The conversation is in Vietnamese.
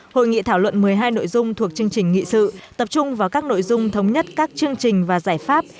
hội nghị thảo luận một mươi hai nội dung thuộc chương trình nghị sự tập trung vào các nội dung thống nhất các chương trình và giải pháp